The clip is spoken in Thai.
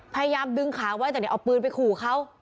พยายามดึงขาว่าจะเอาปืนไปขู่เขา